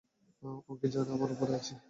ও কি জানে আমরা উপরে আছি?